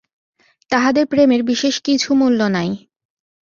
তাহাদের প্রেমের বিশেষ কিছু মূল্য নাই।